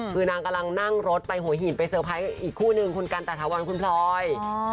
คือนางกำลังนั่งรถไปหัวหินไปเซอร์ไพรส์อีกคู่นึงคุณกันตาถวันคุณพลอย